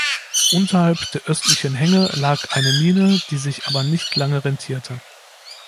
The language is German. Unterhalb der östlichen Hänge lag eine Mine, die sich aber nicht lange rentierte.